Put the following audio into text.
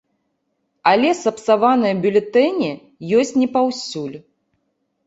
Але сапсаваныя бюлетэні ёсць не паўсюль.